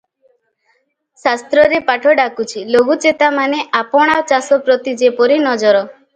ଶାସ୍ତ୍ରରେ ପାଠ ଡାକୁଛି ଲଘୁଚେତାମାନେ ଆପଣା ଚାଷ ପ୍ରତି ଯେପରି ନଜର